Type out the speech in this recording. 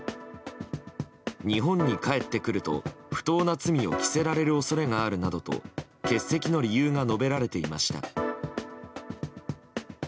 日本に帰ってくると不当な罪を着せられる恐れがあるなどと欠席の理由が述べられていました。